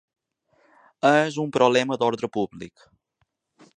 És un problema d’ordre públic.